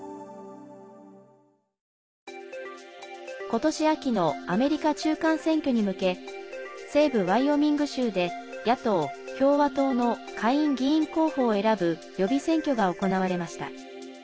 今年秋のアメリカ中間選挙に向け西部ワイオミング州で野党・共和党の下院議員候補を選ぶ予備選挙が行われました。